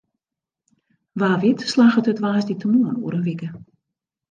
Wa wit slagget it woansdeitemoarn oer in wike.